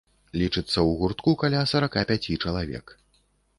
Лічыцца ў гуртку каля сарака пяці чалавек.